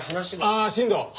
ああ新藤。